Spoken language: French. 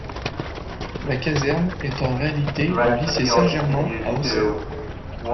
La caserne est en réalité le lycée Saint-Germain, à Auxerre.